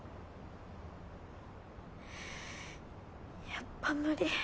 やっぱ無理。